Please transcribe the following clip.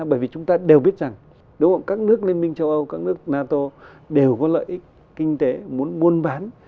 bởi vì chúng ta đều biết rằng các nước liên minh châu âu các nước nato đều có lợi ích kinh tế muốn buôn bán